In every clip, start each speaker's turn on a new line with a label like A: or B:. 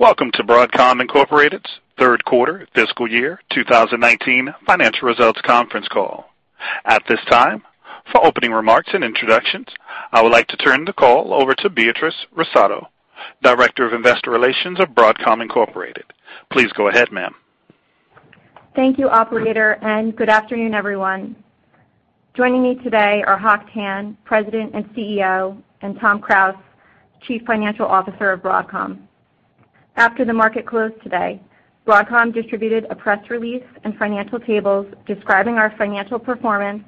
A: Welcome to Broadcom Incorporated's third quarter fiscal year 2019 financial results conference call. At this time, for opening remarks and introductions, I would like to turn the call over to Beatrice Russotto, Director of Investor Relations of Broadcom Incorporated. Please go ahead, ma'am.
B: Thank you, operator, and good afternoon, everyone. Joining me today are Hock Tan, President and CEO, and Tom Krause, Chief Financial Officer of Broadcom. After the market closed today, Broadcom distributed a press release and financial tables describing our financial performance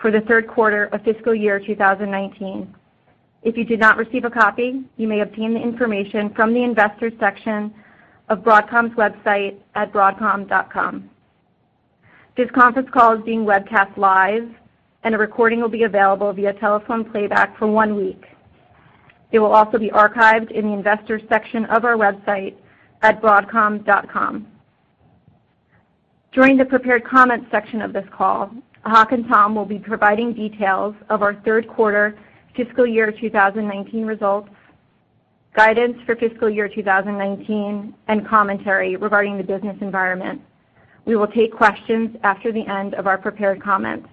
B: for the third quarter of fiscal year 2019. If you did not receive a copy, you may obtain the information from the Investors section of Broadcom's website at broadcom.com. This conference call is being webcast live and a recording will be available via telephone playback for one week. It will also be archived in the Investors section of our website at broadcom.com. During the prepared comments section of this call, Hock and Tom will be providing details of our third quarter fiscal year 2019 results, guidance for fiscal year 2019, and commentary regarding the business environment. We will take questions after the end of our prepared comments.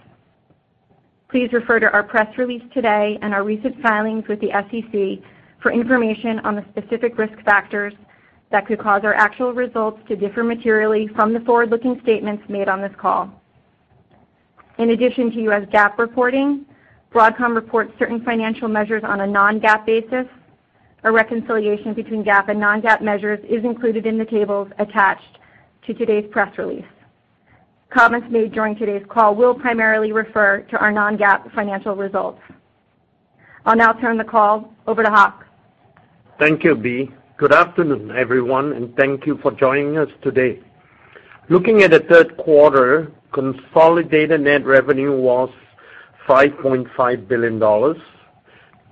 B: Please refer to our press release today and our recent filings with the SEC for information on the specific risk factors that could cause our actual results to differ materially from the forward-looking statements made on this call. In addition to US GAAP reporting, Broadcom reports certain financial measures on a non-GAAP basis. A reconciliation between GAAP and non-GAAP measures is included in the tables attached to today's press release. Comments made during today's call will primarily refer to our non-GAAP financial results. I'll now turn the call over to Hock.
C: Thank you, B. Good afternoon, everyone, and thank you for joining us today. Looking at the third quarter, consolidated net revenue was $5.5 billion,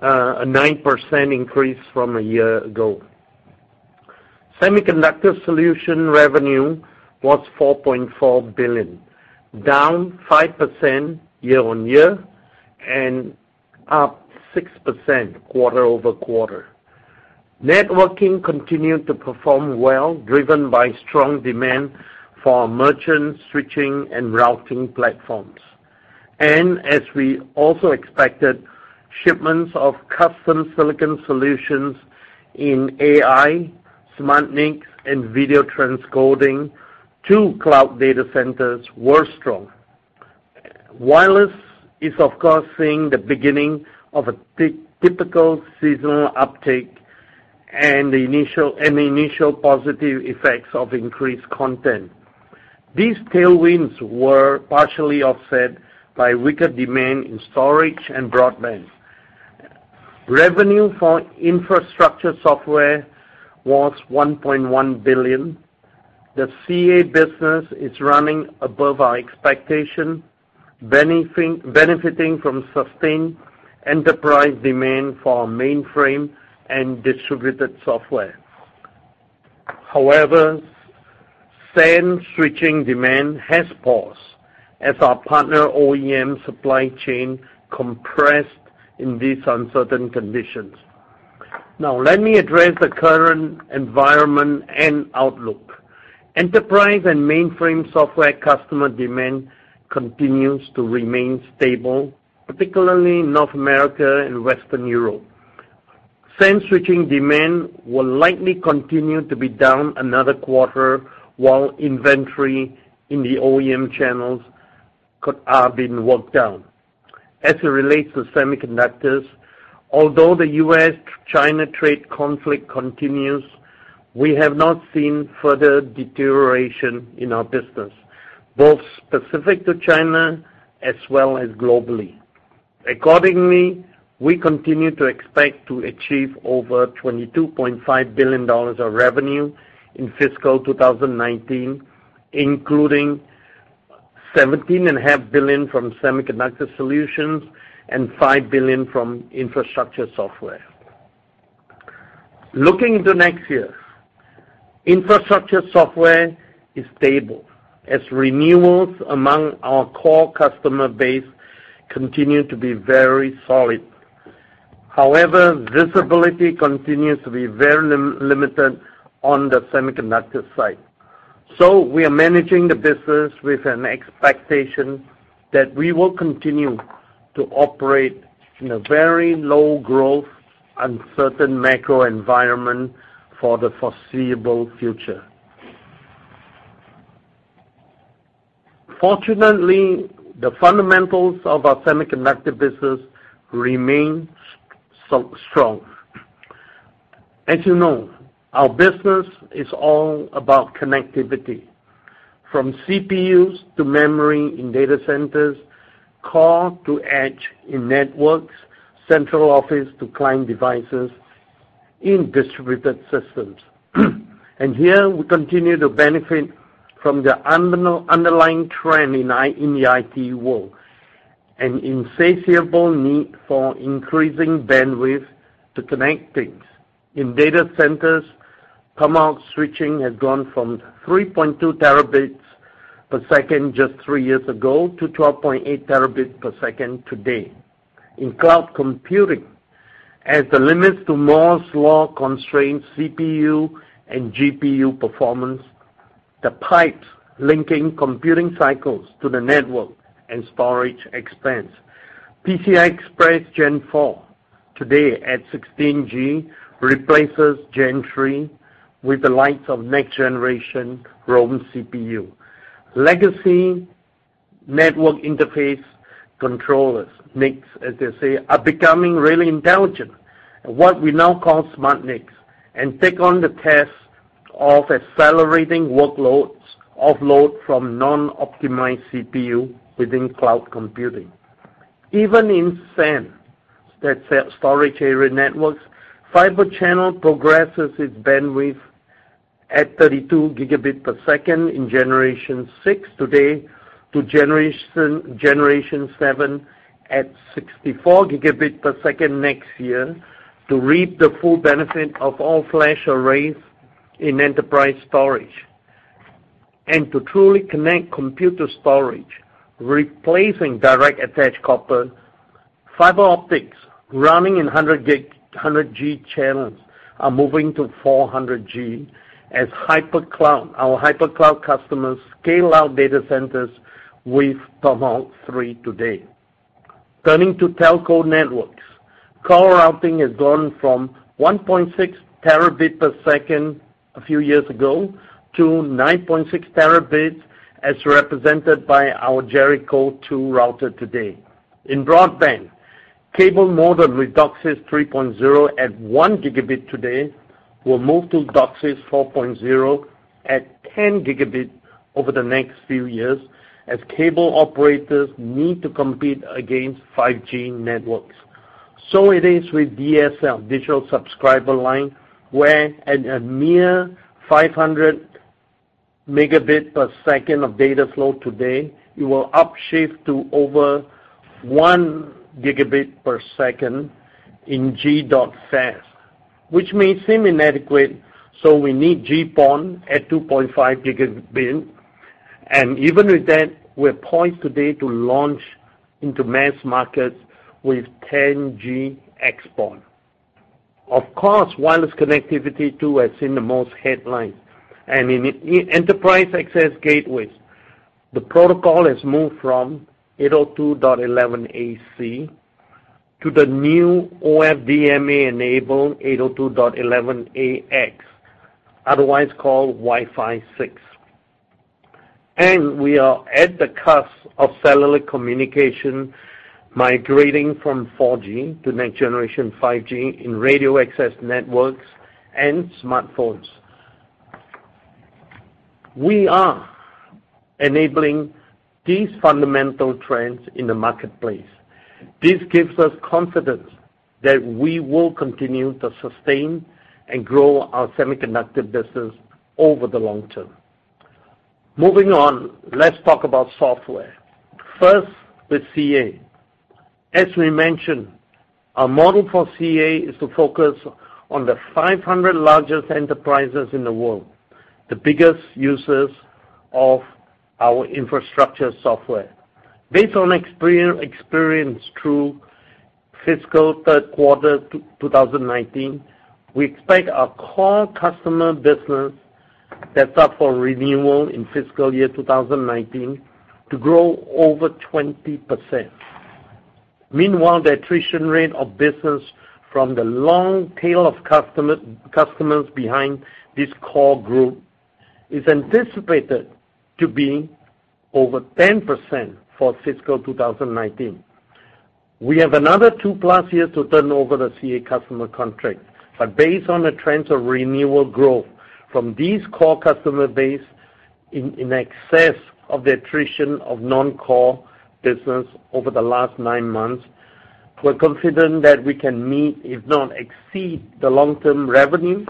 C: a 9% increase from a year ago. Semiconductor Solutions revenue was $4.4 billion, down 5% year-on-year and up 6% quarter-over-quarter. Networking continued to perform well, driven by strong demand for our merchant switching and routing platforms. As we also expected, shipments of custom silicon solutions in AI, SmartNICs, and video transcoding to cloud data centers were strong. Wireless is, of course, seeing the beginning of a typical seasonal uptake and the initial positive effects of increased content. These tailwinds were partially offset by weaker demand in storage and broadband. Revenue for Infrastructure Software was $1.1 billion. The CA business is running above our expectation, benefiting from sustained enterprise demand for our mainframe and distributed software. However, SAN switching demand has paused as our partner OEM supply chain compressed in these uncertain conditions. Now, let me address the current environment and outlook. Enterprise and mainframe software customer demand continues to remain stable, particularly in North America and Western Europe. SAN switching demand will likely continue to be down another quarter while inventory in the OEM channels are being worked down. As it relates to semiconductors, although the U.S.-China trade conflict continues, we have not seen further deterioration in our business, both specific to China as well as globally. Accordingly, we continue to expect to achieve over $22.5 billion of revenue in fiscal 2019, including $17.5 billion from Semiconductor Solutions and $5 billion from Infrastructure Software. Looking into next year, Infrastructure Software is stable as renewals among our core customer base continue to be very solid. However, visibility continues to be very limited on the semiconductor side. We are managing the business with an expectation that we will continue to operate in a very low growth, uncertain macro environment for the foreseeable future. Fortunately, the fundamentals of our Semiconductor Solutions business remain strong. As you know, our business is all about connectivity, from CPUs to memory in data centers, core to edge in networks, central office to client devices in distributed systems. Here we continue to benefit from the underlying trend in the IT world, an insatiable need for increasing bandwidth to connect things in data centers. Tomahawk switching has gone from 3.2 terabits per second just three years ago to 12.8 terabits per second today. In cloud computing, as the limits to Moore's Law constrains CPU and GPU performance, the pipes linking computing cycles to the network and storage expands. PCI Express Gen4 today at 16G replaces Gen 3 with the likes of next generation Rome CPU. Legacy network interface controllers, NICs as they say, are becoming really intelligent, what we now call SmartNICs, and take on the task of accelerating workloads offload from non-optimized CPU within cloud computing. Even in SAN, that's storage area networks, Fibre Channel progresses its bandwidth at 32 gigabit per second in generation 6 today to generation 7 at 64 gigabit per second next year to reap the full benefit of all-flash arrays in enterprise storage. To truly connect computer storage, replacing direct attached copper, fiber optics running in 100G channels are moving to 400G as our hypercloud customers scale out data centers with Tomahawk 3 today. Turning to telco networks, call routing has gone from 1.6 terabit per second a few years ago to 9.6 terabits as represented by our Jericho2 router today. In broadband, cable modem with DOCSIS 3.0 at 1 gigabit today will move to DOCSIS 4.0 at 10 gigabit over the next few years as cable operators need to compete against 5G networks. It is with DSL, digital subscriber line, where at a mere 500 megabit per second of data flow today, it will upshift to over 1 gigabit per second in G.fast, which may seem inadequate, so we need GPON at 2.5 gigabit. Even with that, we're poised today to launch into mass markets with 10G XPON. Of course, wireless connectivity too has seen the most headlines. In enterprise access gateways, the protocol has moved from 802.11ac to the new OFDMA enabled 802.11ax, otherwise called Wi-Fi 6. We are at the cusp of satellite communication migrating from 4G to next generation 5G in radio access networks and smartphones. We are enabling these fundamental trends in the marketplace. This gives us confidence that we will continue to sustain and grow our Semiconductor Solutions business over the long term. Moving on, let's talk about software. First, with CA. As we mentioned, our model for CA is to focus on the 500 largest enterprises in the world, the biggest users of our Infrastructure Software. Based on experience through fiscal third quarter 2019, we expect our core customer business that's up for renewal in fiscal year 2019 to grow over 20%. Meanwhile, the attrition rate of business from the long tail of customers behind this core group is anticipated to be over 10% for fiscal 2019. We have another two plus years to turn over the CA customer contract. Based on the trends of renewal growth from this core customer base in excess of the attrition of non-core business over the last nine months, we're confident that we can meet, if not exceed, the long-term revenue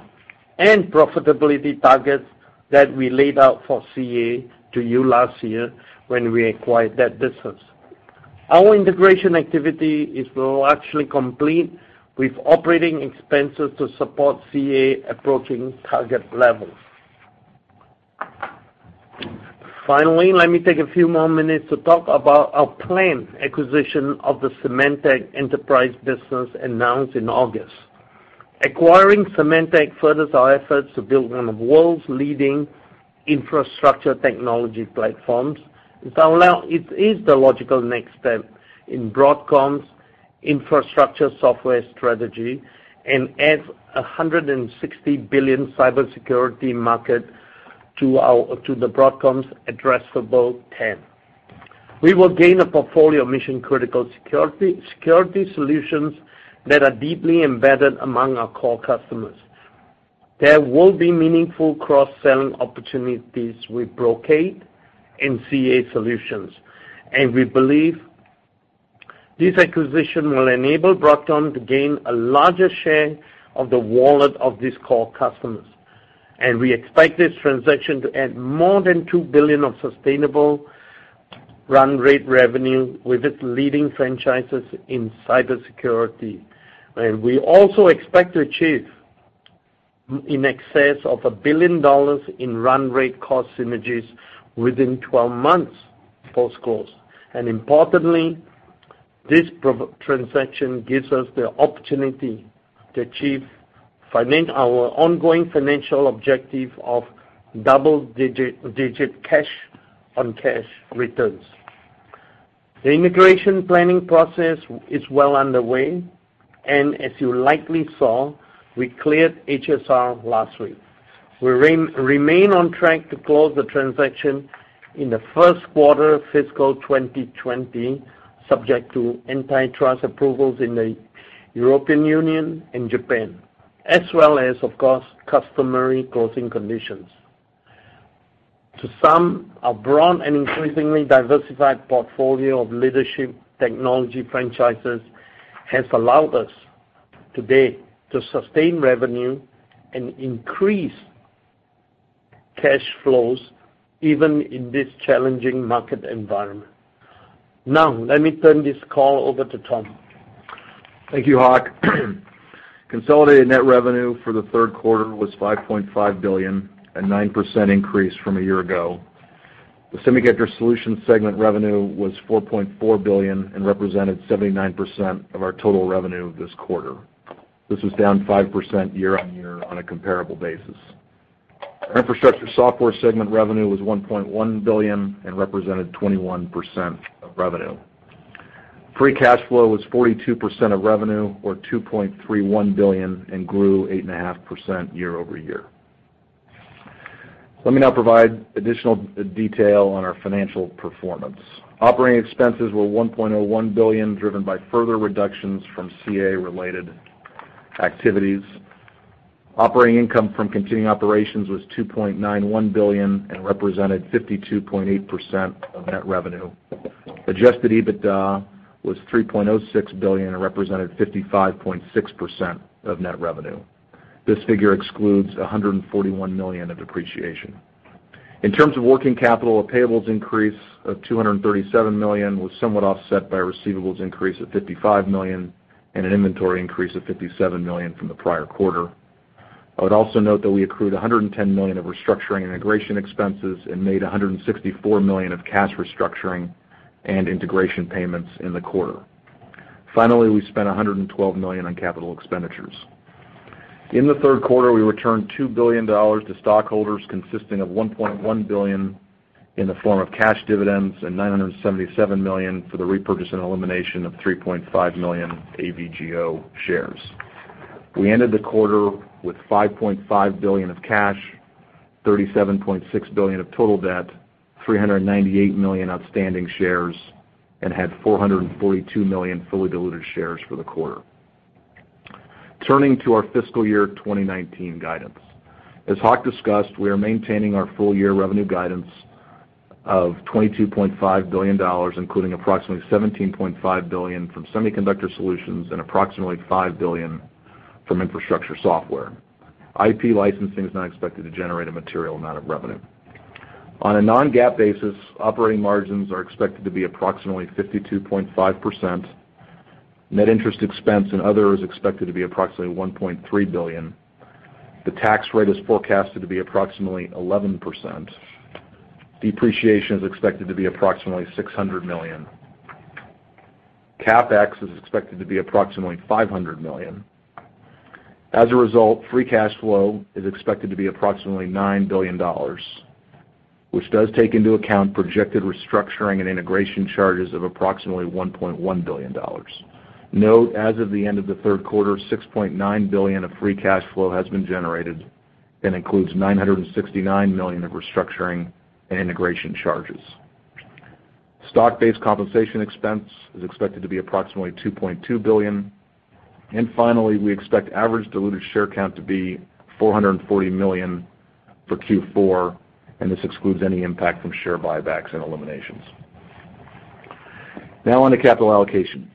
C: and profitability targets that we laid out for CA to you last year when we acquired that business. Our integration activity is largely complete with operating expenses to support CA approaching target levels. Finally, let me take a few more minutes to talk about our planned acquisition of the Symantec enterprise business announced in August. Acquiring Symantec furthers our efforts to build one of the world's leading infrastructure technology platforms. It is the logical next step in Broadcom's Infrastructure Software strategy and adds $160 billion cybersecurity market to Broadcom's addressable TAM. We will gain a portfolio of mission-critical security solutions that are deeply embedded among our core customers. There will be meaningful cross-selling opportunities with Brocade and CA solutions. We believe this acquisition will enable Broadcom to gain a larger share of the wallet of these core customers. We expect this transaction to add more than $2 billion of sustainable run rate revenue with its leading franchises in cybersecurity. We also expect to achieve in excess of $1 billion in run rate cost synergies within 12 months post-close. Importantly, this transaction gives us the opportunity to achieve our ongoing financial objective of double-digit cash on cash returns. The integration planning process is well underway, and as you likely saw, we cleared HSR last week. We remain on track to close the transaction in the first quarter of fiscal 2020, subject to antitrust approvals in the European Union and Japan, as well as, of course, customary closing conditions. To sum, our broad and increasingly diversified portfolio of leadership technology franchises has allowed us today to sustain revenue and increase cash flows, even in this challenging market environment. Now, let me turn this call over to Tom.
D: Thank you, Hock. Consolidating net revenue for the third quarter was $5.5 billion, a 9% increase from a year ago. The Semiconductor Solutions segment revenue was $4.4 billion and represented 79% of our total revenue this quarter. This was down 5% year-on-year on a comparable basis. Our Infrastructure Software segment revenue was $1.1 billion and represented 21% of revenue. Free cash flow was 42% of revenue, or $2.31 billion, and grew 8.5% year-over-year. Let me now provide additional detail on our financial performance. Operating expenses were $1.01 billion, driven by further reductions from CA-related activities. Operating income from continuing operations was $2.91 billion and represented 52.8% of net revenue. Adjusted EBITDA was $3.06 billion and represented 55.6% of net revenue. This figure excludes $141 million of depreciation. In terms of working capital, a payables increase of $237 million was somewhat offset by receivables increase of $55 million and an inventory increase of $57 million from the prior quarter. I would also note that we accrued $110 million of restructuring and integration expenses and made $164 million of cash restructuring and integration payments in the quarter. Finally, we spent $112 million on capital expenditures. In the third quarter, we returned $2 billion to stockholders, consisting of $1.1 billion in the form of cash dividends and $977 million for the repurchase and elimination of 3.5 million AVGO shares. We ended the quarter with $5.5 billion of cash, $37.6 billion of total debt, 398 million outstanding shares, and had 442 million fully diluted shares for the quarter. Turning to our fiscal year 2019 guidance. As Hock discussed, we are maintaining our full-year revenue guidance of $22.5 billion, including approximately $17.5 billion from Semiconductor Solutions and approximately $5 billion from Infrastructure Software. IP licensing is not expected to generate a material amount of revenue. On a non-GAAP basis, operating margins are expected to be approximately 52.5%. Net interest expense and other is expected to be approximately $1.3 billion. The tax rate is forecasted to be approximately 11%. Depreciation is expected to be approximately $600 million. CapEx is expected to be approximately $500 million. As a result, free cash flow is expected to be approximately $9 billion, which does take into account projected restructuring and integration charges of approximately $1.1 billion. Note, as of the end of the third quarter, $6.9 billion of free cash flow has been generated and includes $969 million of restructuring and integration charges. Stock-based compensation expense is expected to be approximately $2.2 billion. Finally, we expect average diluted share count to be 440 million for Q4, and this excludes any impact from share buybacks and eliminations. Now on to capital allocation.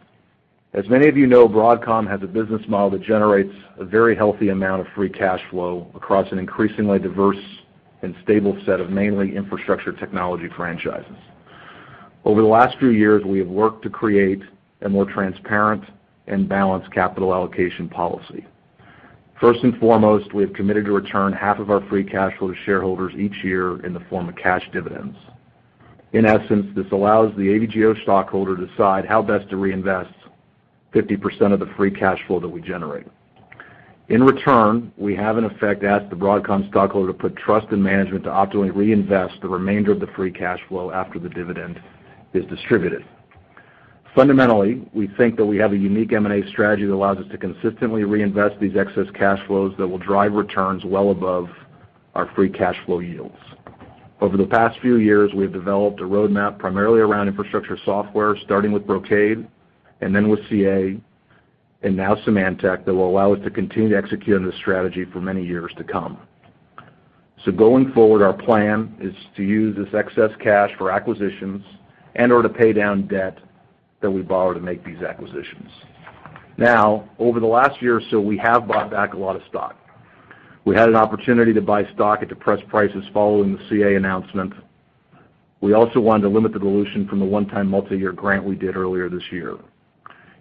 D: As many of you know, Broadcom has a business model that generates a very healthy amount of free cash flow across an increasingly diverse and stable set of mainly infrastructure technology franchises. Over the last few years, we have worked to create a more transparent and balanced capital allocation policy. First and foremost, we have committed to return half of our free cash flow to shareholders each year in the form of cash dividends. In essence, this allows the AVGO stockholder to decide how best to reinvest 50% of the free cash flow that we generate. In return, we have, in effect, asked the Broadcom stockholder to put trust in management to optimally reinvest the remainder of the free cash flow after the dividend is distributed. We think that we have a unique M&A strategy that allows us to consistently reinvest these excess cash flows that will drive returns well above our free cash flow yields. Over the past few years, we have developed a roadmap primarily around Infrastructure Software, starting with Brocade and then with CA and now Symantec, that will allow us to continue to execute on this strategy for many years to come. Going forward, our plan is to use this excess cash for acquisitions and/or to pay down debt that we borrow to make these acquisitions. Over the last year or so, we have bought back a lot of stock We had an opportunity to buy stock at depressed prices following the CA announcement. We also wanted to limit the dilution from the one-time multi-year grant we did earlier this year.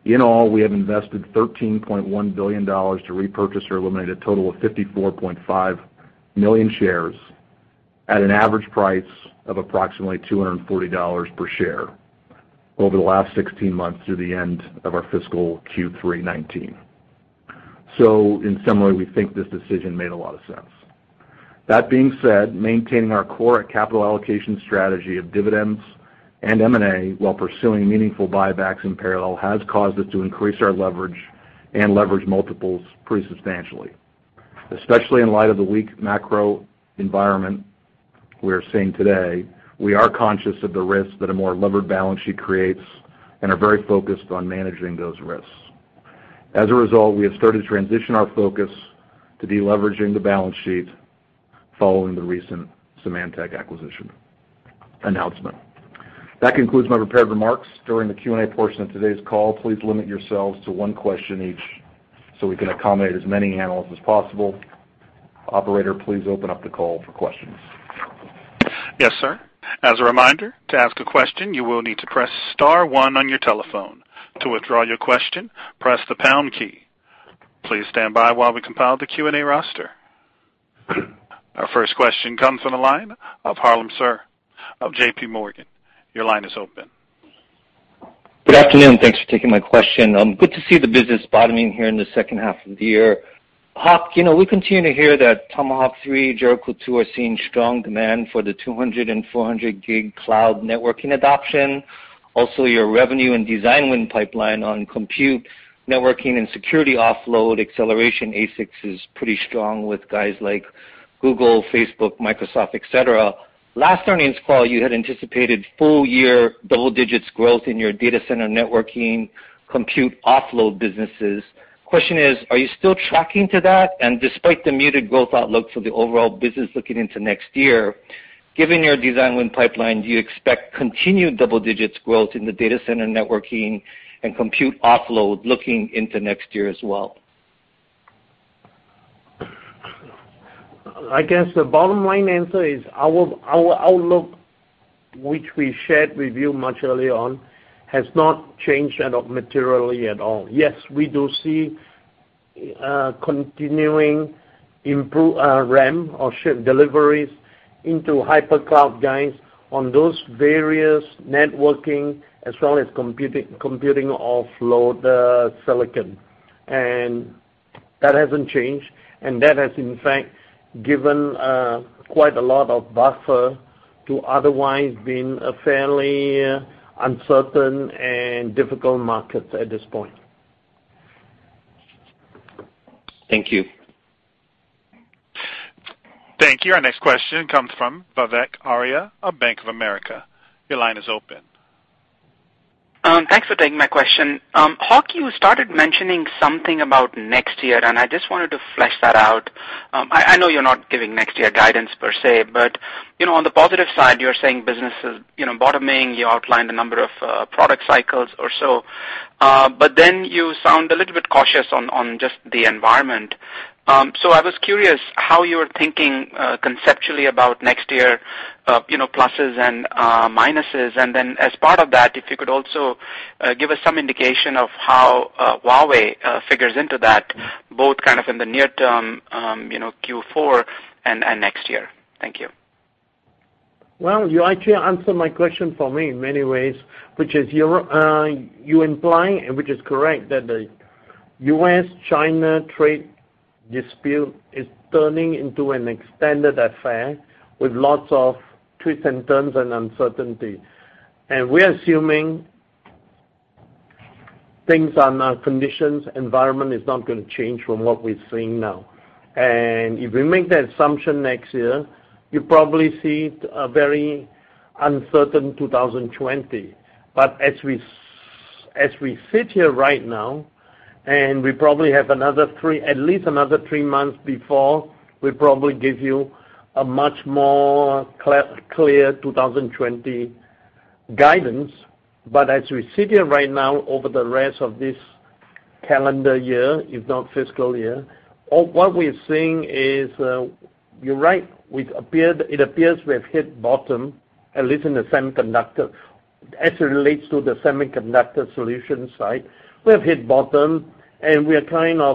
D: In all, we have invested $13.1 billion to repurchase or eliminate a total of 54.5 million shares at an average price of approximately $240 per share over the last 16 months through the end of our fiscal Q3 2019. In summary, we think this decision made a lot of sense. That being said, maintaining our core capital allocation strategy of dividends and M&A while pursuing meaningful buybacks in parallel has caused us to increase our leverage and leverage multiples pretty substantially. Especially in light of the weak macro environment we're seeing today, we are conscious of the risks that a more levered balance sheet creates and are very focused on managing those risks. As a result, we have started to transition our focus to de-leveraging the balance sheet following the recent Symantec acquisition announcement. That concludes my prepared remarks. During the Q&A portion of today's call, please limit yourselves to one question each so we can accommodate as many analysts as possible. Operator, please open up the call for questions.
A: Yes, sir. As a reminder, to ask a question, you will need to press star one on your telephone. To withdraw your question, press the pound key. Please stand by while we compile the Q&A roster. Our first question comes from the line of Harlan Sur of J.P. Morgan. Your line is open.
E: Good afternoon. Thanks for taking my question. Good to see the business bottoming here in the second half of the year. Hock, we continue to hear that Tomahawk 3, Jericho2 are seeing strong demand for the 200 and 400 gig cloud networking adoption. Also, your revenue and design win pipeline on compute networking and security offload acceleration ASICs is pretty strong with guys like Google, Facebook, Microsoft, et cetera. Last earnings call, you had anticipated full year double-digit growth in your data center networking compute offload businesses. Question is, are you still tracking to that? Despite the muted growth outlook for the overall business looking into next year, given your design win pipeline, do you expect continued double-digit growth in the data center networking and compute offload looking into next year as well?
C: I guess the bottom line answer is our outlook, which we shared with you much earlier on, has not changed that materially at all. Yes, we do see continuing improve our ramp or ship deliveries into hypercloud guys on those various networking as well as computing offload silicon. That hasn't changed, and that has, in fact, given quite a lot of buffer to otherwise been a fairly uncertain and difficult market at this point.
E: Thank you.
A: Thank you. Our next question comes from Vivek Arya of Bank of America. Your line is open.
F: Thanks for taking my question. Hock, you started mentioning something about next year, and I just wanted to flesh that out. I know you're not giving next year guidance per se, but on the positive side, you're saying business is bottoming. You outlined a number of product cycles or so. Then you sound a little bit cautious on just the environment. I was curious how you're thinking conceptually about next year, pluses and minuses. Then as part of that, if you could also give us some indication of how Huawei figures into that, both in the near term, Q4 and next year. Thank you.
C: Well, you actually answered my question for me in many ways, which is you implying, which is correct, that the U.S.-China trade dispute is turning into an extended affair with lots of twists and turns and uncertainty. We're assuming things are now conditions, environment is not going to change from what we're seeing now. If we make that assumption next year, you probably see a very uncertain 2020. As we sit here right now, and we probably have at least another three months before we probably give you a much more clear 2020 guidance. As we sit here right now over the rest of this calendar year, if not fiscal year, what we're seeing is, you're right, it appears we've hit bottom, at least as it relates to the Semiconductor Solutions side. We have hit bottom, we are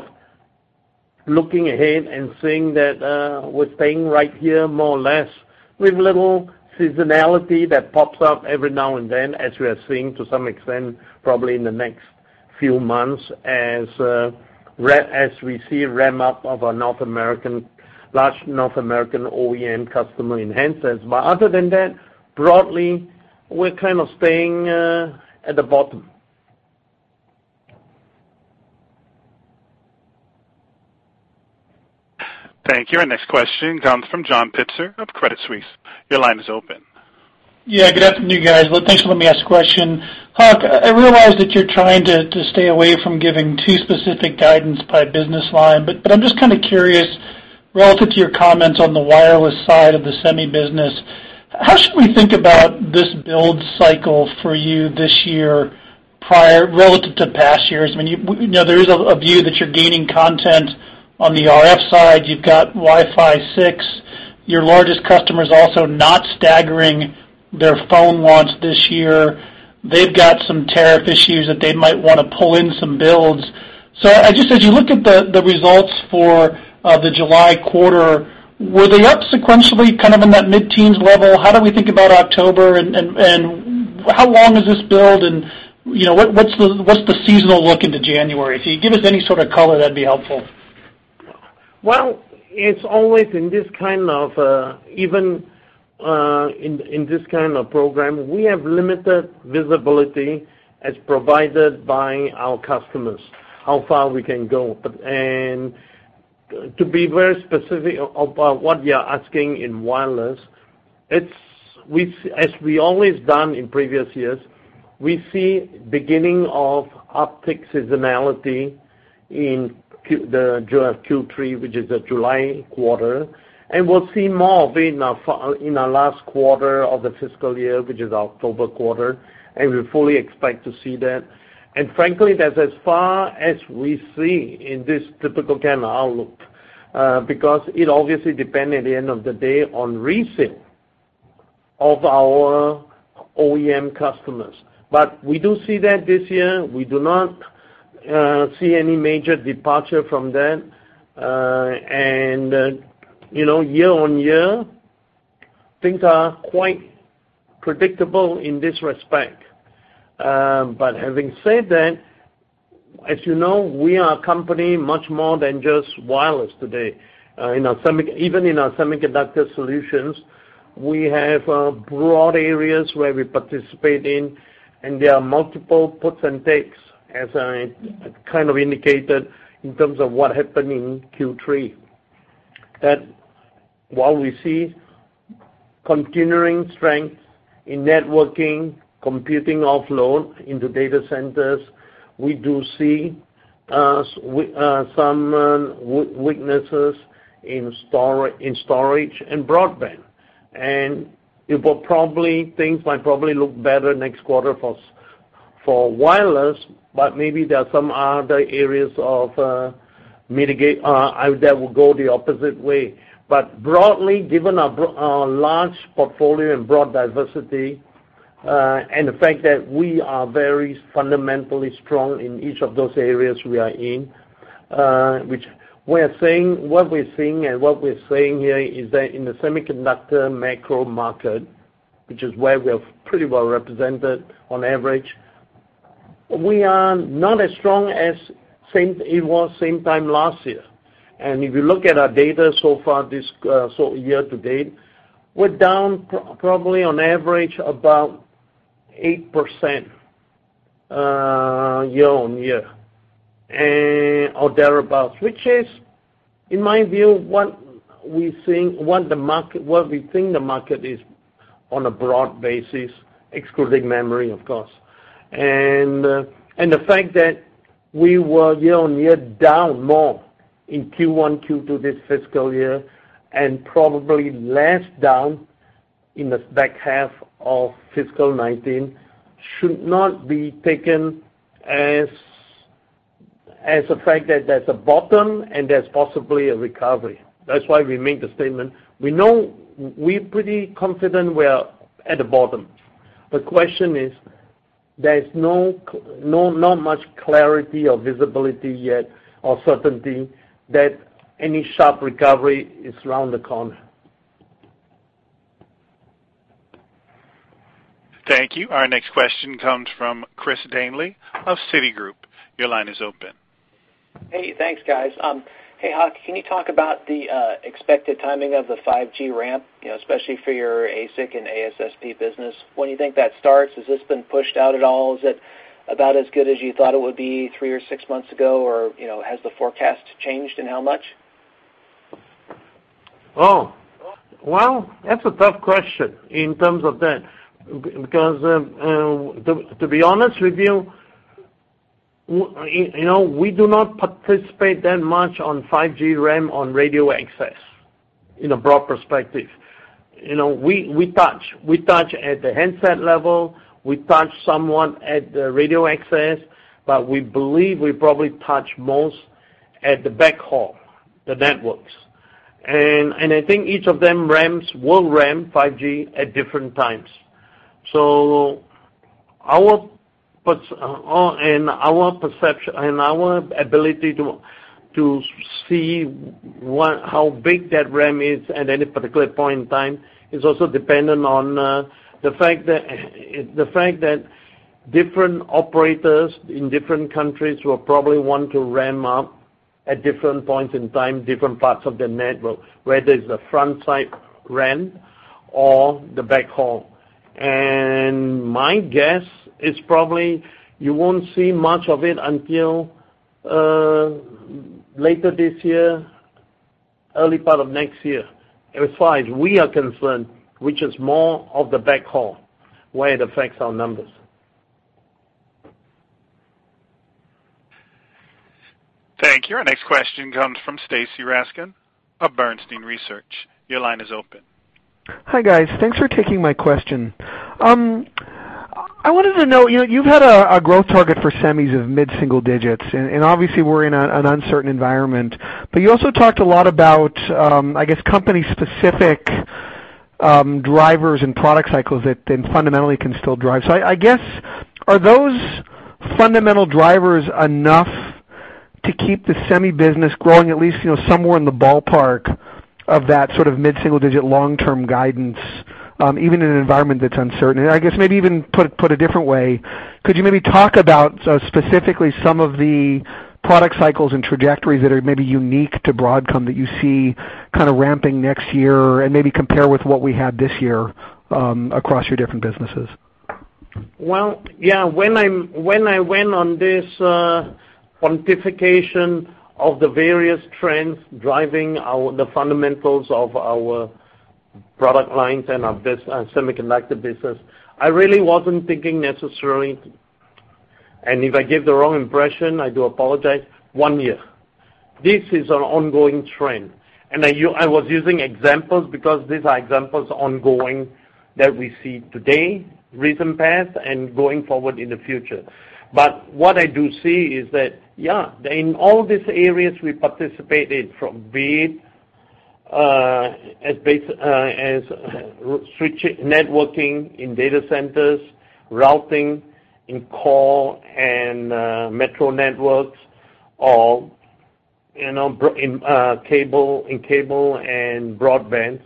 C: looking ahead and seeing that we're staying right here, more or less, with little seasonality that pops up every now and then as we are seeing to some extent, probably in the next few months as we see a ramp up of our large North American OEM customer enhancers. Other than that, broadly, we're staying at the bottom.
A: Thank you. Our next question comes from John Pitzer of Credit Suisse. Your line is open.
G: Yeah, good afternoon, guys. Thanks for letting me ask a question. Hock, I realize that you're trying to stay away from giving too specific guidance by business line, but I'm just curious, relative to your comments on the wireless side of the semi business, how should we think about this build cycle for you this year, relative to past years? There is a view that you're gaining content on the RF side. You've got Wi-Fi 6. Your largest customer is also not staggering their phone launch this year. They've got some tariff issues that they might want to pull in some builds. As you look at the results for the July quarter, were they up sequentially, kind of in that mid-teens level? How do we think about October and how long is this build and what's the seasonal look into January? If you give us any sort of color, that'd be helpful.
C: Well, it's always in this kind of, even in this kind of program, we have limited visibility as provided by our customers, how far we can go. To be very specific about what you are asking in wireless, as we always done in previous years, we see beginning of uptick seasonality in Q3, which is the July quarter, and we'll see more of it in our last quarter of the fiscal year, which is October quarter. We fully expect to see that. Frankly, that's as far as we see in this typical kind of outlook, because it obviously depend, at the end of the day, on resale of our OEM customers. We do see that this year. We do not see any major departure from that. Year-over-year, things are quite predictable in this respect. Having said that, as you know, we are a company much more than just wireless today. Even in our Semiconductor Solutions, we have broad areas where we participate in, and there are multiple puts and takes, as I kind of indicated in terms of what happened in Q3. While we see continuing strength in networking, computing offload into data centers, we do see some weaknesses in storage and broadband. Things might probably look better next quarter for wireless, but maybe there are some other areas that will go the opposite way. Broadly, given our large portfolio and broad diversity, and the fact that we are very fundamentally strong in each of those areas we are in, what we're seeing and what we're saying here is that in the semiconductor macro market, which is where we are pretty well represented on average, we are not as strong as it was same time last year. If you look at our data so far year to date, we're down probably on average about 8% year-on-year, or thereabout. Which is, in my view, what we think the market is on a broad basis, excluding memory, of course. The fact that we were year-on-year down more in Q1, Q2 this fiscal year, and probably less down in the back half of fiscal 2019 should not be taken as a fact that there's a bottom and there's possibly a recovery. That's why we make the statement. We're pretty confident we are at the bottom. The question is, there is not much clarity or visibility yet or certainty that any sharp recovery is around the corner.
A: Thank you. Our next question comes from Christopher Danely of Citigroup. Your line is open.
H: Hey, thanks, guys. Hey, Hock, can you talk about the expected timing of the 5G ramp, especially for your ASIC and ASSP business? When do you think that starts? Has this been pushed out at all? Is it about as good as you thought it would be three or six months ago, or has the forecast changed, and how much?
C: Well, that's a tough question in terms of that. To be honest with you, we do not participate that much on 5G RAN on radio access in a broad perspective. We touch at the handset level, we touch somewhat at the radio access, we believe we probably touch most at the backhaul, the networks. I think each of them will ramp 5G at different times. Our ability to see how big that ramp is at any particular point in time is also dependent on the fact that different operators in different countries will probably want to ramp up at different points in time, different parts of their network, whether it's the front side ramp or the backhaul. My guess is probably you won't see much of it until later this year, early part of next year, as far as we are concerned, which is more of the backhaul, where it affects our numbers.
A: Thank you. Our next question comes from Stacy Rasgon of Bernstein Research. Your line is open.
I: Hi, guys. Thanks for taking my question. I wanted to know, you've had a growth target for semis of mid-single digits, and obviously we're in an uncertain environment, but you also talked a lot about, I guess, company specific drivers and product cycles that then fundamentally can still drive. I guess, are those fundamental drivers enough to keep the semi business growing at least somewhere in the ballpark of that sort of mid-single digit long-term guidance, even in an environment that's uncertain? I guess maybe even put a different way, could you maybe talk about specifically some of the product cycles and trajectories that are maybe unique to Broadcom that you see kind of ramping next year and maybe compare with what we had this year, across your different businesses?
C: Well, yeah, when I went on this quantification of the various trends driving the fundamentals of our product lines and our semiconductor business, I really wasn't thinking necessarily, and if I give the wrong impression, I do apologize, one year. This is an ongoing trend. I was using examples because these are examples ongoing that we see today, recent past, and going forward in the future. What I do see is that, yeah, in all these areas we participated, from be it as networking in data centers, routing in core and metro networks, or in cable and broadband,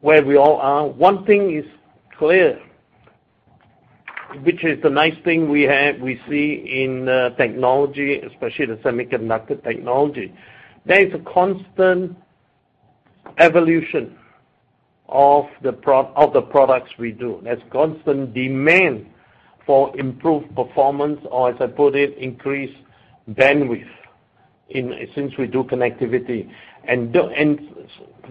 C: where we all are, one thing is clear, which is the nice thing we have, we see in technology, especially the semiconductor technology. There is a constant evolution of the products we do. There's constant demand for improved performance or, as I put it, increased bandwidth, since we do connectivity.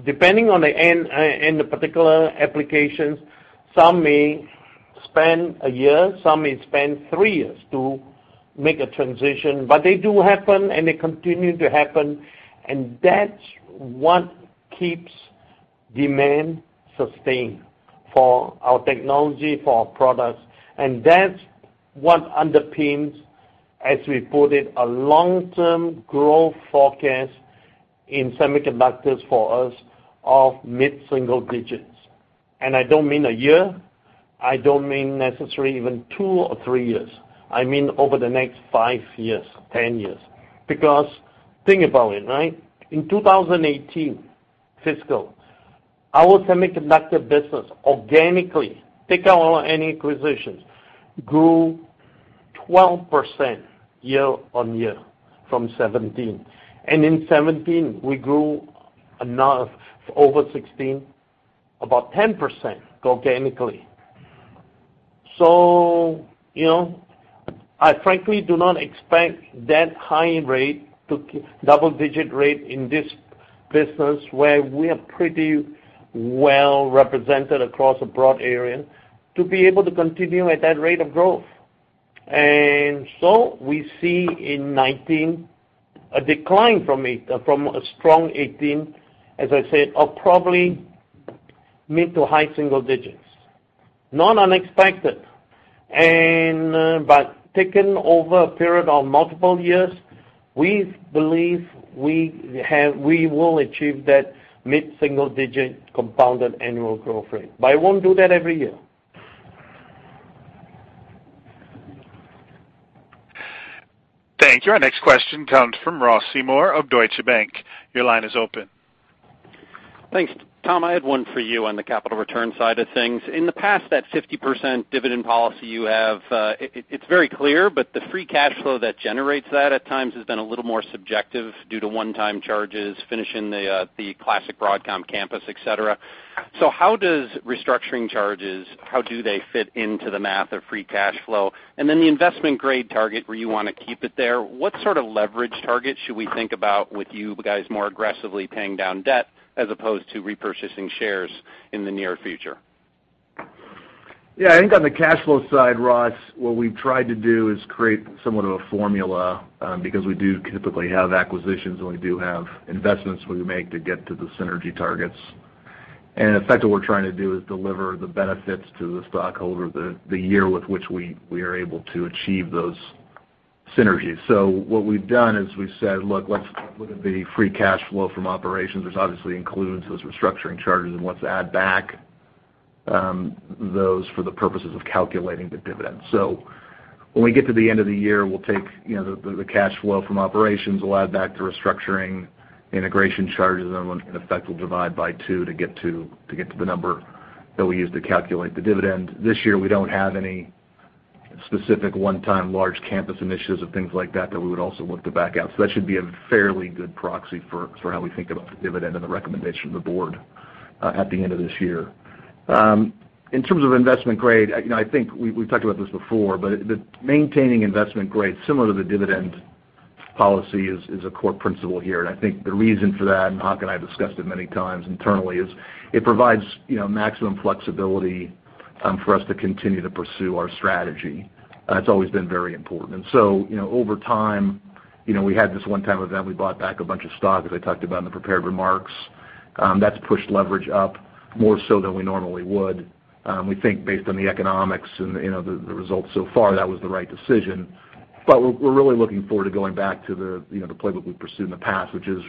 C: Depending on the end and the particular applications, some may spend a year, some may spend three years to make a transition, but they do happen, and they continue to happen, and that's what keeps demand sustained for our technology, for our products. That's what underpins, as we put it, a long-term growth forecast in semiconductors for us of mid-single digits. I don't mean a year. I don't mean necessarily even two or three years. I mean over the next five years, 10 years. Because think about it. In 2018 fiscal, our semiconductor business organically, take out any acquisitions, grew 12% year-over-year from 2017. In 2017, we grew over 2016, about 10% organically. I frankly do not expect that high rate, double-digit rate in this business, where we are pretty well represented across a broad area, to be able to continue at that rate of growth. We see in 2019, a decline from a strong 2018, as I said, of probably mid to high single digits. Not unexpected. Taken over a period of multiple years, we believe we will achieve that mid-single digit compounded annual growth rate. It won't do that every year.
A: Thank you. Our next question comes from Ross Seymore of Deutsche Bank. Your line is open.
J: Thanks. Tom, I had one for you on the capital return side of things. In the past, that 50% dividend policy you have, it's very clear, but the free cash flow that generates that at times has been a little more subjective due to one-time charges, finishing the classic Broadcom campus, et cetera. How do restructuring charges fit into the math of free cash flow? Then the investment grade target, where you want to keep it there, what sort of leverage target should we think about with you guys more aggressively paying down debt as opposed to repurchasing shares in the near future?
D: I think on the cash flow side, Ross, what we've tried to do is create somewhat of a formula, because we do typically have acquisitions, and we do have investments we make to get to the synergy targets. In effect, what we're trying to do is deliver the benefits to the stockholder the year with which we are able to achieve those synergies. What we've done is we've said, look, let's look at the free cash flow from operations, which obviously includes those restructuring charges, and let's add back those for the purposes of calculating the dividend. When we get to the end of the year, we'll take the cash flow from operations. We'll add back the restructuring integration charges, and in effect, we'll divide by two to get to the number that we use to calculate the dividend. This year, we don't have any specific one-time large campus initiatives or things like that that we would also look to back out. That should be a fairly good proxy for how we think about the dividend and the recommendation of the board at the end of this year. In terms of investment grade, I think we've talked about this before, but maintaining investment grade similar to the dividend policy is a core principle here, and I think the reason for that, and Hock and I have discussed it many times internally, is it provides maximum flexibility for us to continue to pursue our strategy, that's always been very important. Over time, we had this one-time event. We bought back a bunch of stock, as I talked about in the prepared remarks. That's pushed leverage up more so than we normally would. We think based on the economics and the results so far, that was the right decision. We're really looking forward to going back to the playbook we pursued in the past, which is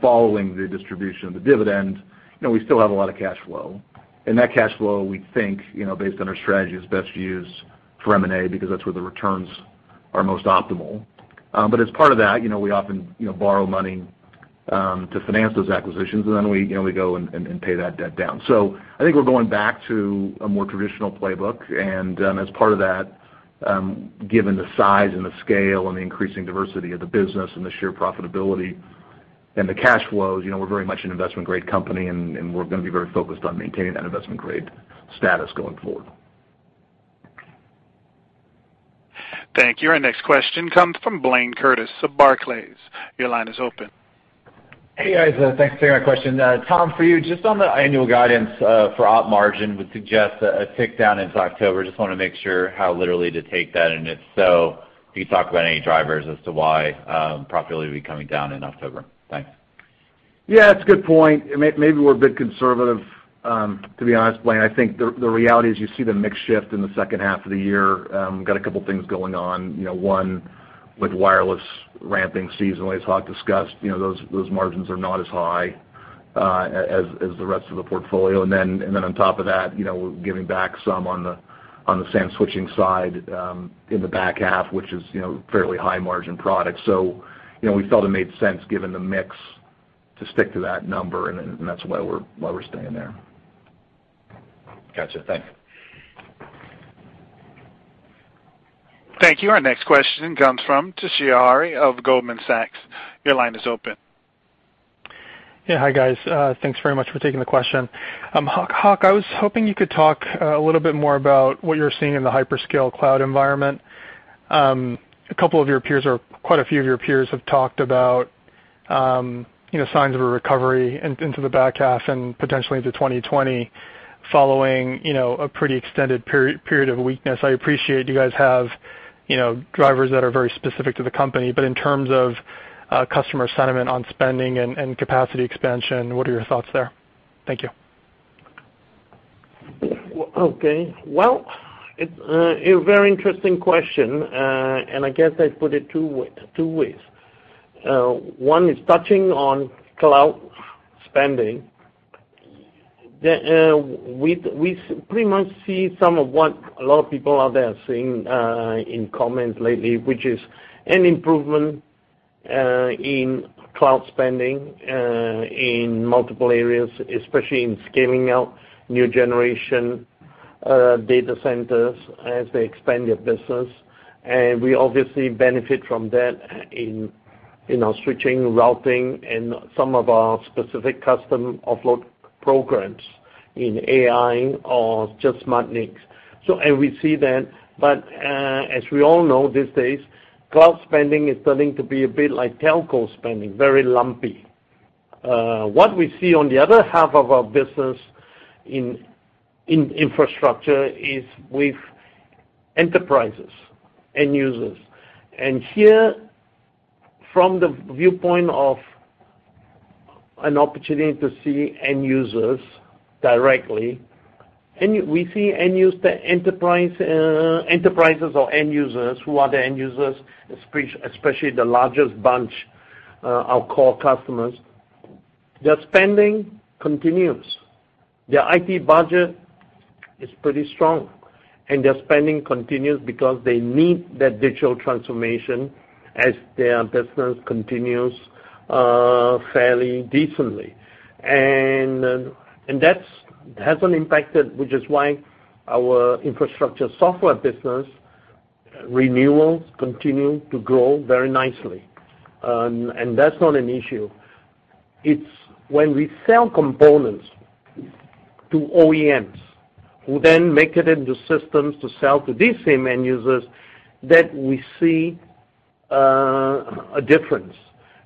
D: following the distribution of the dividend. We still have a lot of cash flow, and that cash flow, we think based on our strategy, is best used for M&A because that's where the returns are most optimal. As part of that, we often borrow money to finance those acquisitions, and then we go and pay that debt down. I think we're going back to a more traditional playbook. As part of that, given the size and the scale and the increasing diversity of the business and the sheer profitability and the cash flows, we're very much an investment-grade company, and we're going to be very focused on maintaining that investment-grade status going forward.
A: Thank you. Our next question comes from Blayne Curtis of Barclays. Your line is open.
K: Hey, guys. Thanks for taking my question. Tom, for you, just on the annual guidance for op margin would suggest a tick down into October. Just want to make sure how literally to take that, and if so, if you could talk about any drivers as to why profitability will be coming down in October? Thanks.
D: Yeah, it's a good point. Maybe we're a bit conservative, to be honest, Blayne. I think the reality is you see the mix shift in the second half of the year. Got a couple things going on. One, with wireless ramping seasonally, as Hock discussed, those margins are not as high as the rest of the portfolio. Then on top of that, we're giving back some on the SAN switching side in the back half, which is fairly high margin product. We felt it made sense given the mix to stick to that number, and that's why we're staying there.
K: Gotcha, thanks.
A: Thank you. Our next question comes from Toshiya Hari of Goldman Sachs. Your line is open.
L: Yeah. Hi, guys. Thanks very much for taking the question. Hock, I was hoping you could talk a little bit more about what you're seeing in the hyperscale cloud environment. Quite a few of your peers have talked about signs of a recovery into the back half and potentially into 2020 following a pretty extended period of weakness. I appreciate you guys have drivers that are very specific to the company, but in terms of customer sentiment on spending and capacity expansion, what are your thoughts there? Thank you.
C: Okay. Well, it's a very interesting question, and I guess I'd put it two ways. One is touching on cloud spending. We pretty much see some of what a lot of people out there are seeing in comments lately, which is an improvement in cloud spending in multiple areas, especially in scaling out new generation data centers as they expand their business. We obviously benefit from that in our switching, routing, and some of our specific custom offload programs in AI or just SmartNICs. We see that. As we all know, these days, cloud spending is turning to be a bit like telco spending, very lumpy. What we see on the other half of our business in infrastructure is with enterprises, end users. Here, from the viewpoint of an opportunity to see end users directly, we see enterprises or end users, who are the end users, especially the largest bunch, our core customers, their spending continues. Their IT budget is pretty strong, and their spending continues because they need that digital transformation as their business continues fairly decently. That hasn't impacted, which is why our Infrastructure Software business renewals continue to grow very nicely. That's not an issue. It's when we sell components to OEMs who then make it into systems to sell to these same end users that we see a difference.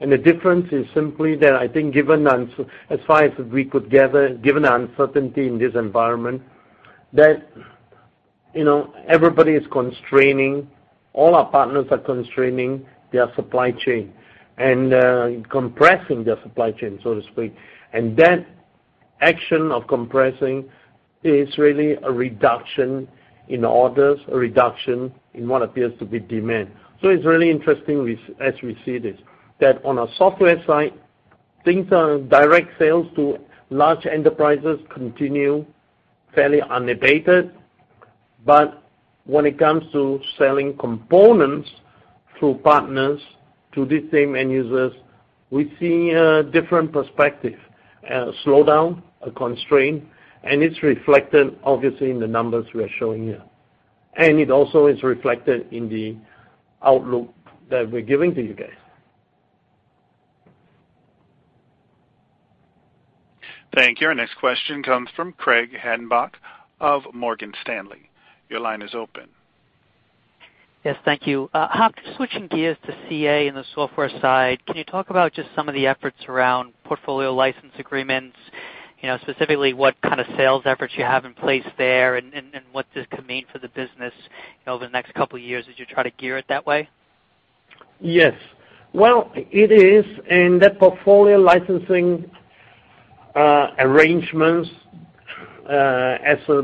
C: The difference is simply that I think, as far as we could gather, given the uncertainty in this environment, that everybody is constraining, all our partners are constraining their supply chain and compressing their supply chain, so to speak. That action of compressing is really a reduction in orders, a reduction in what appears to be demand. It's really interesting as we see this, that on a software side, things are direct sales to large enterprises continue fairly unabated. When it comes to selling components through partners to these same end users, we see a different perspective, a slowdown, a constraint, and it's reflected, obviously, in the numbers we are showing here. It also is reflected in the outlook that we're giving to you guys.
A: Thank you. Our next question comes from Craig Hettenbach of Morgan Stanley. Your line is open.
M: Yes. Thank you. Hock, switching gears to CA and the software side, can you talk about just some of the efforts around portfolio license agreements, specifically what kind of sales efforts you have in place there and what this could mean for the business over the next couple of years as you try to gear it that way?
C: Yes. Well, it is. That portfolio licensing arrangements as a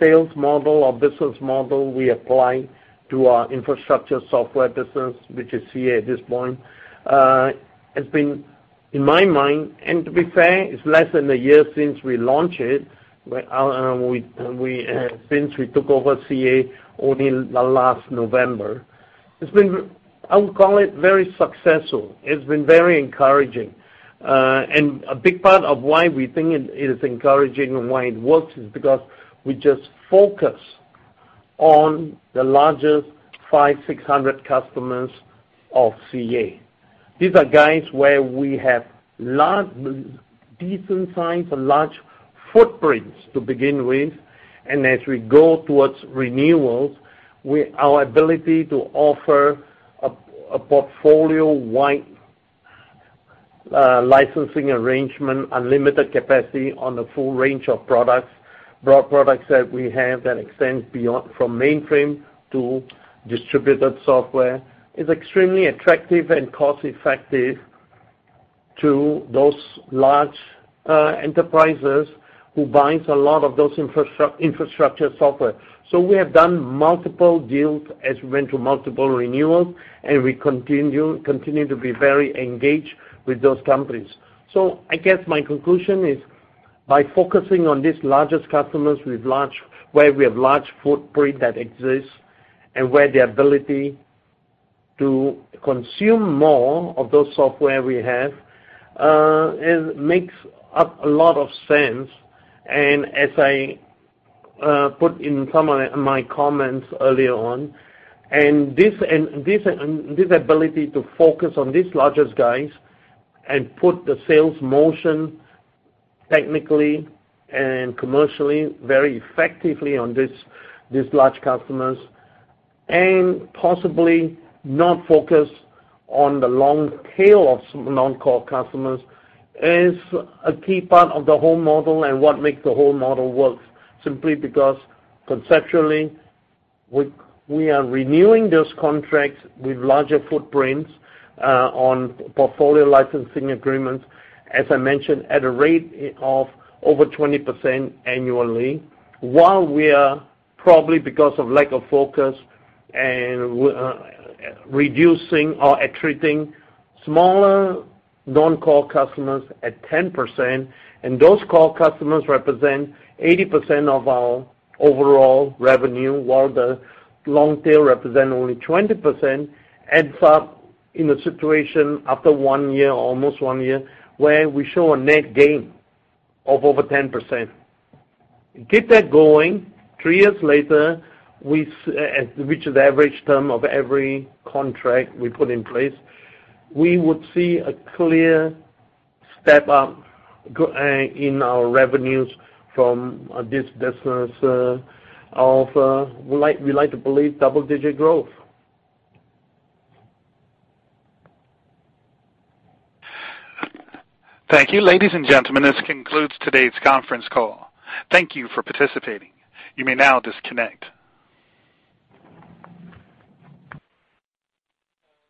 C: sales model or business model we apply to our Infrastructure Software business, which is CA at this point, has been, in my mind, and to be fair, it's less than a year since we launched it. Since we took over CA only last November. It's been, I would call it very successful. It's been very encouraging. A big part of why we think it is encouraging and why it works is because we just focus on the largest five, 600 customers of CA. These are guys where we have decent size and large footprints to begin with, and as we go towards renewals, our ability to offer a portfolio-wide licensing arrangement, unlimited capacity on the full range of broad products that we have that extend from mainframe to distributed software, is extremely attractive and cost-effective to those large enterprises who buys a lot of those Infrastructure Software. We have done multiple deals as we went through multiple renewals, and we continue to be very engaged with those companies. I guess my conclusion is by focusing on these largest customers where we have large footprint that exists and where the ability to consume more of those software we have, it makes a lot of sense. As I put in some of my comments earlier on, this ability to focus on these largest guys and put the sales motion technically and commercially, very effectively on these large customers and possibly not focus on the long tail of some non-core customers is a key part of the whole model and what makes the whole model work. Conceptually, we are renewing those contracts with larger footprints on portfolio licensing agreements, as I mentioned, at a rate of over 20% annually, while we are, probably because of lack of focus and reducing or attriting smaller non-core customers at 10%, and those core customers represent 80% of our overall revenue, while the long tail represent only 20%, adds up in a situation after one year, almost one year, where we show a net gain of over 10%. Get that going, three years later, which is the average term of every contract we put in place, we would see a clear step up in our revenues from this business of, we like to believe, double-digit growth.
A: Thank you. Ladies and gentlemen, this concludes today's conference call. Thank you for participating. You may now disconnect.